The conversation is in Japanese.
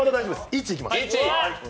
１いきます。